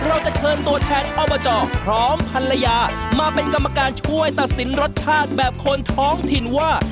เราจะเชิญตัวแทนอบจพร้อมภรรยามาเป็นกรรมการช่วยตัดสินรสชาติแบบคนท้องถิ่นว่า